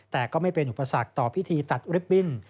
แต่ก็ไม่เป็นอุปสรรคต่อพิธีตัดริปบิ้น